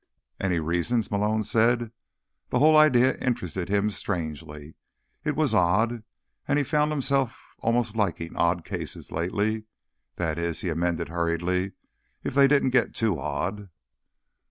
"Any reasons?" Malone said. The whole idea interested him strangely. It was odd—and he found himself almost liking odd cases, lately. That is, he amended hurriedly, if they didn't get too odd.